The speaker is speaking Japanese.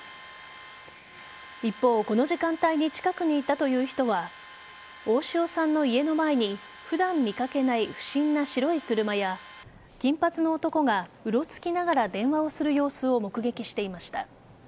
一方、この時間帯に近くにいたという人は大塩さんの家の前に普段見かけない不審な白い車や金髪の男がうろつきながら電話をする様子を目撃していました。